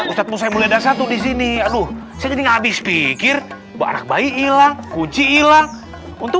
ustadz saya mulai ada satu di sini aduh saya ngabis pikir anak bayi hilang kunci hilang untuk